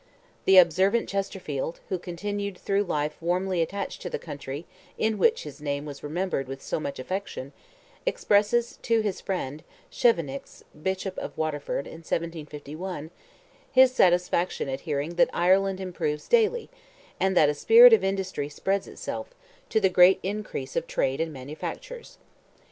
The observant Chesterfield, who continued through life warmly attached to the country in which his name was remembered with so much affection, expresses to his friend, Chevenix, Bishop of Waterford, in 1751, his satisfaction at hearing "that Ireland improves daily, and that a spirit of industry spreads itself, to the great increase of trade and manufactures."